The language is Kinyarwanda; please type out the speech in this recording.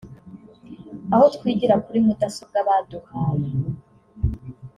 aho twigira kuri mudasobwa baduhaye